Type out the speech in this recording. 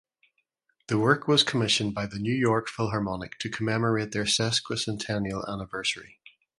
The work was commissioned by the New York Philharmonic to commemorate their sesquicentennial anniversary.